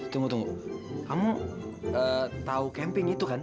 tunggu tunggu kamu tahu camping itu kan